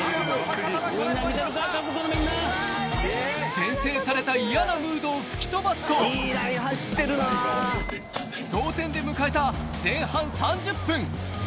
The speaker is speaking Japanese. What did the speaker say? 先制された嫌なムードを吹き飛ばすと、同点で迎えた前半３０分。